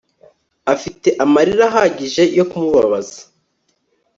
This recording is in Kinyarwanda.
afite amarira ahagije yo kumubabaza